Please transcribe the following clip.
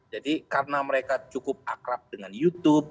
jadi karena mereka cukup akrab dengan youtube